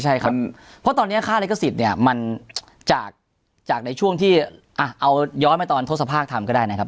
ใช่ครับเพราะตอนนี้ค่าลิขสิทธิ์เนี่ยมันจากในช่วงที่เอาย้อนมาตอนทศภาคทำก็ได้นะครับ